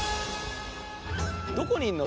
どこにいるの？